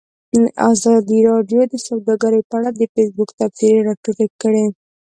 ازادي راډیو د سوداګري په اړه د فیسبوک تبصرې راټولې کړي.